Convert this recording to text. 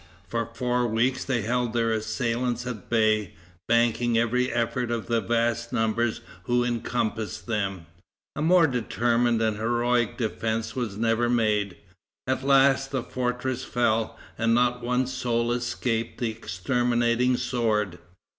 For four weeks they held their assailants at bay, banking every effort of the vast numbers who encompassed them. A more determined and heroic defense was never made. At last the fortress fell, and not one soul escaped the exterminating sword.